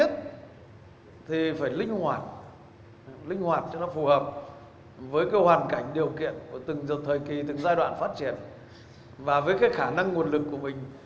phù hợp với hoàn cảnh điều kiện từng giai đoạn phát triển và với khả năng nguồn lực của mình